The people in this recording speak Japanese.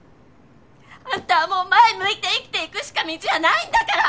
あんたはもう前向いて生きていくしか道はないんだから！